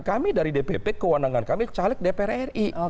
keuangan keuangan kami caleg dpr ri